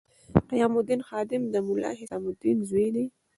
قیام الدین خادم د ملا حسام الدین زوی دی.